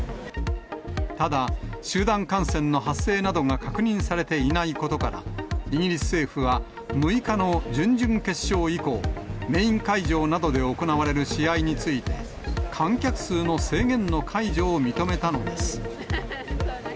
ただ、集団感染の発生などが確認されていないことから、イギリス政府は、６日の準々決勝以降、メイン会場などで行われる試合について、観客数の制限の解除を認めたのです。